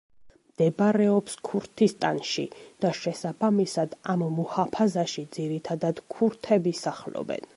მდებარეობს ქურთისტანში და შესაბამისად, ამ მუჰაფაზაში ძირითადად ქურთები სახლობენ.